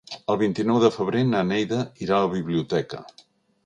El vint-i-nou de febrer na Neida irà a la biblioteca.